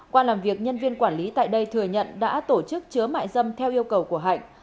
qua làm việc nhân viên quản lý tại đây thừa nhận đã tổ chức chứa mại dâm theo yêu cầu của hạnh